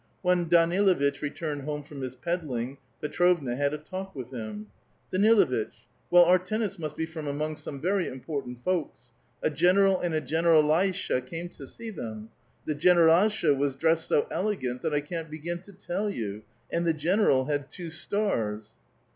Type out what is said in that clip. AVhen Daniluitch returned home from his peddling, Petrovna had a talk with him :—Daniluitch, well our tenants must be from among very important folks. A general and a generdlsha came to see them. The (jenerdlsha was dressed so elegant that I can't begin to tell you ; and the general had two stars